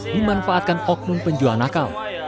dimanfaatkan okmun penjual nakal